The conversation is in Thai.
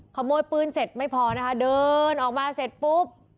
ขโมยปืนเสร็จไม่พอนะคะเดินออกมาเสร็จปุ๊บ